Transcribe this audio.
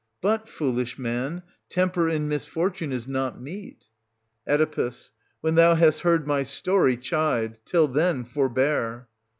But, foolish man, temper in misfortune is not meet. Oe. When thou hast heard my story, chide; till then, forbear.